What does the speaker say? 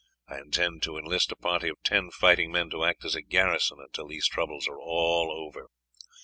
I intend to enlist a party of ten fighting men to act as a garrison until these troubles are all over."